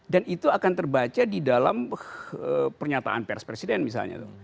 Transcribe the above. dan itu akan terbaca di dalam pernyataan perspresiden misalnya